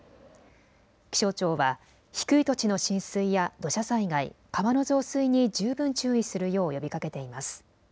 気象庁は低い土地の浸水や土砂災害、川の増水に十分注意するよう呼びかけています。